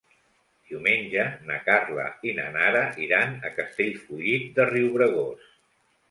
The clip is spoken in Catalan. Diumenge na Carla i na Nara iran a Castellfollit de Riubregós.